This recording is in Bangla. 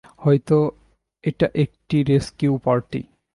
হয়তো এটা একটা রেসকিউ পার্টি।